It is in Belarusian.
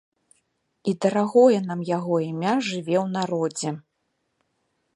І дарагое нам яго імя жыве ў народзе.